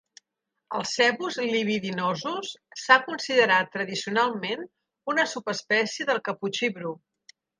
El "cebus libidinosus" s'ha considerat tradicionalment una subespècie del caputxí bru.